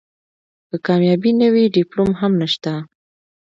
که کامیابي نه وي ډیپلوم هم نشته .